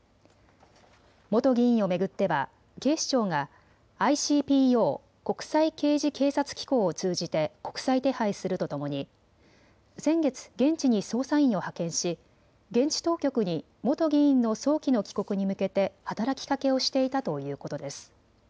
元議員を巡っては警視庁がＩＣＰＯ・国際刑事警察機構を通じて国際手配するとともに先月、現地に捜査員を派遣し現地当局に元議員の早期の帰国に向けて働きかけをしていたということです。